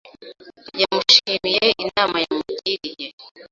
Yamushimiye inama yamugiriye.